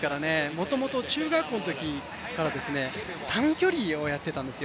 もともと中学校のときから、短距離をやってたんですよ。